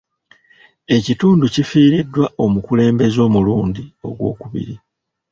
Ekitundu kifiiriddwa omukulembeze omulundi ogw'okubiri.